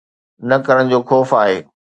نه ڪرڻ جو خوف آهي.